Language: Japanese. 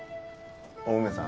お梅さん